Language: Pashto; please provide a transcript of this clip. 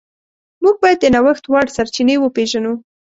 موږ باید د نوښت وړ سرچینې وپیژنو.